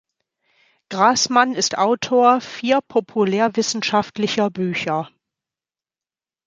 Graßmann ist Autor vier populärwissenschaftlicher Bücher.